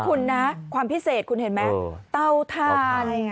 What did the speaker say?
คุณนะความพิเศษคุณเห็นไหมเตาทาน